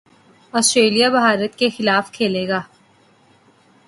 Australia Bharat کے خلاف کھیلے گا